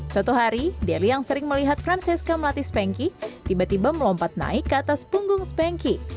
suatu hari deli yang sering melihat francisca melatih spanky tiba tiba melompat naik ke atas punggung spanky